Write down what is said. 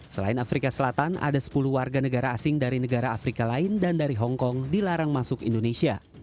selain afrika selatan ada sepuluh warga negara asing dari negara afrika lain dan dari hongkong dilarang masuk indonesia